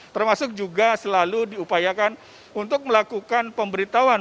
termasuk juga selalu diupayakan untuk melakukan pemberitahuan